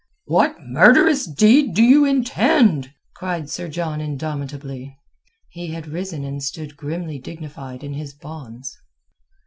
"What murderous deed do you intend?" cried Sir John indomitably. He had risen and stood grimly dignified in his bonds.